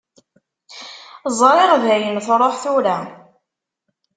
Ẓriɣ dayen truḥ tura.